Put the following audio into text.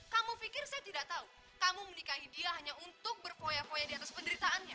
kamu pikir saya tidak tahu kamu menikahi dia hanya untuk berfoya poya di atas penderitaannya